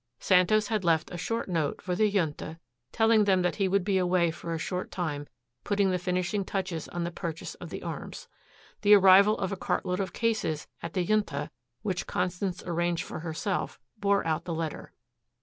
Santos had left a short note for the Junta telling them that he would be away for a short time putting the finishing touches on the purchase of the arms. The arrival of a cartload of cases at the Junta, which Constance arranged for herself, bore out the letter.